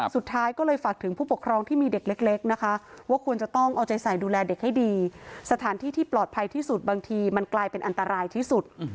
สุดท้ายก็เลยฝากถึงผู้ปกครองที่มีเด็กเล็กนะคะว่าควรจะต้องเอาใจใส่ดูแลเด็กให้ดีสถานที่ที่ปลอดภัยที่สุดบางทีมันกลายเป็นอันตรายที่สุด